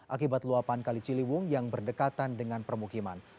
akibat luapan kali ciliwung yang berdekatan dengan permukiman